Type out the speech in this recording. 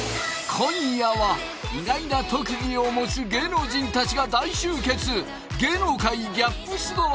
今夜は意外な特技を持つ芸能人たちが大集結！